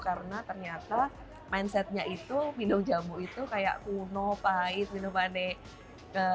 karena ternyata mindsetnya itu minum jamu itu kayak kuno pahit minum aneh